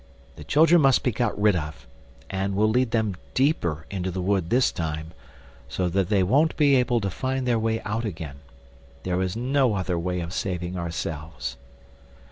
The children must be got rid of; we'll lead them deeper into the wood this time, so that they won't be able to find their way out again. There is no other way of saving ourselves."